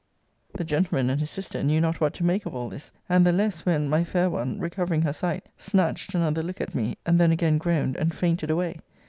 The gentleman and his sister knew not what to make of all this: and the less, when my fair one, recovering her sight, snatched another look at me; and then again groaned, and fainted away.